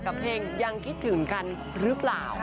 กับเพลงยังคิดถึงกันหรือเปล่า